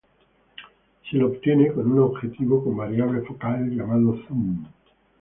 Se lo obtiene con un objetivo con variable focal llamado zoom.